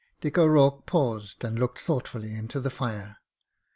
Dick O'Rourke paused, and looked thoughtfully into the fire.